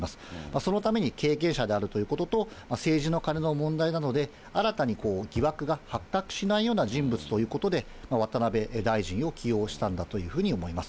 そのために経験者であるということと、政治とカネの問題などで新たに疑惑が発覚しないような人物ということで、渡辺大臣を起用したんだというふうに思います。